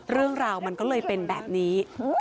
เรื่องราวมันก็เลยเป็นแบบนี้